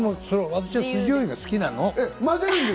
私は酢じょうゆが好きなの。